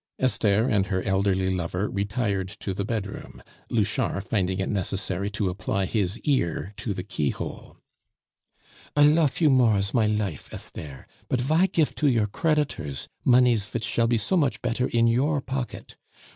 Esther and her elderly lover retired to the bedroom, Louchard finding it necessary to apply his ear to the keyhole. "I lofe you more as my life, Esther; but vy gife to your creditors moneys vich shall be so much better in your pocket?